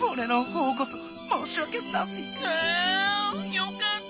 よかった！